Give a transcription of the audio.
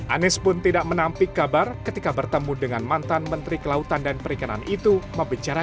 anis pun tidak menampik kabar ketika bertemu dengan mantan menteri kelautan dan perikatan